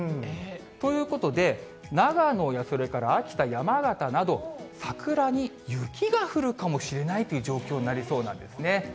ということで、長野やそれから秋田、山形など、桜に雪が降るかもしれないという状況になりそうなんですね。